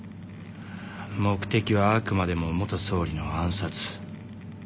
目的はあくまでも元総理の暗殺。